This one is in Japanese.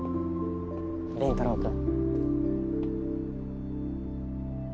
林太郎君。